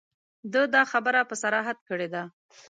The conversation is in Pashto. ده دا خبره په صراحت کړې ده.